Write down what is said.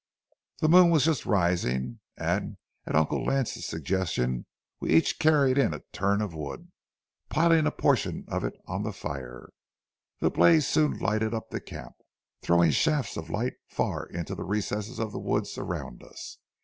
'" The moon was just rising, and at Uncle Lance's suggestion we each carried in a turn of wood. Piling a portion of it on the fire, the blaze soon lighted up the camp, throwing shafts of light far into the recesses of the woods around us.